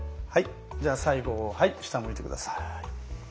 じゃあ最後下むいて下さい。